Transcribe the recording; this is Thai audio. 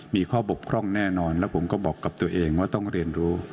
มีข้อบกพร่องแน่นอนแล้วผมก็บอกกับตัวเองว่าต้องเรียนรู้